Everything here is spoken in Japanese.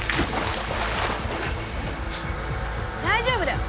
大丈夫だよ。